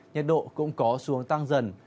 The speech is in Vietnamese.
nhiệt độ cũng có xuống tăng dần